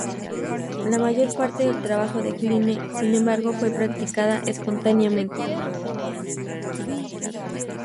La mayor parte del trabajo de Kline, sin embargo fue "practicada espontáneamente".